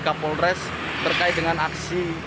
kapolres terkait dengan aksi